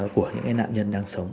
của những cái nạn nhân đang sống